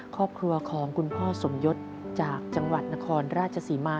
ก็คืออีกวิธีหนึ่งที่พวกเขาจะพาครอบครัวมาใช้โอกาสแก้วิกฤตในชีวิตด้วยกัน